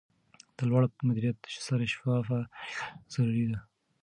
د لوړ مدیریت سره شفافه اړیکه ضروري ده.